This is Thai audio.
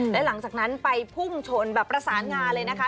และหลังจากนั้นไปพุ่งชนแบบประสานงานเลยนะคะ